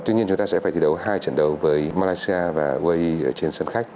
tuy nhiên chúng ta sẽ phải thi đấu hai trận đấu với malaysia và way trên sân khách